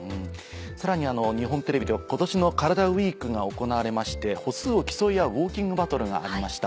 さらに日本テレビでは今年の「カラダＷＥＥＫ」が行われまして歩数を競い合う「ウオーキングバトル」がありました。